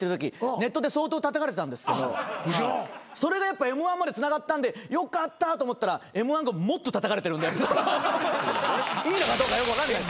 ネットで相当たたかれてたんですけどそれがやっぱＭ−１までつながったんでよかったと思ったらＭ−１がもっとたたかれてるんでいいのかどうかよく分かんない。